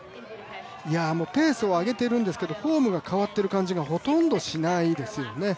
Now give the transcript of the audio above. ペースを上げているんですけれども、フォームが変わっている感じがほとんどしないですよね。